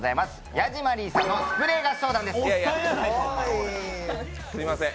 ヤジマリーさんのスプレー合唱団です。